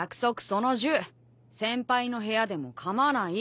その１０先輩の部屋でもかまない。